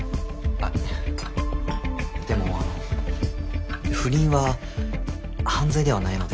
あでも不倫は犯罪ではないので。